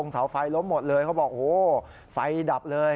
เสาไฟล้มหมดเลยเขาบอกโอ้โหไฟดับเลย